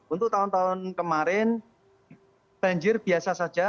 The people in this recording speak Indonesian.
untuk tahun tahun kemarin banjir biasa saja